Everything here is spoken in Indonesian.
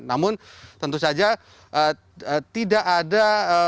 namun tentu saja tidak ada